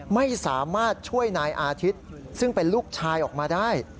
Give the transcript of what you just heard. ไม่สามารถช่วยนายอาทิตย์ซึ่งเป็นลูกชายออกมาได้